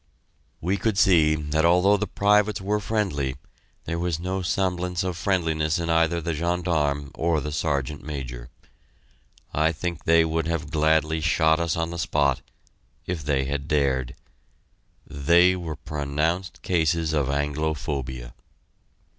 We could see that although the privates were friendly, there was no semblance of friendliness in either the gendarme or the Sergeant Major. I think they would have gladly shot us on the spot if they had dared. They were pronounced cases of anglophobia.